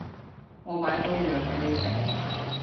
我買咗藥畀你食